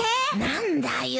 何だよ。